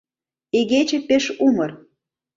Игече пеш умыр.